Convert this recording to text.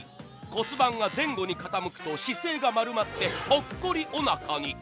骨盤が前後に傾くと姿勢が丸まって、ぽっこりおなかに。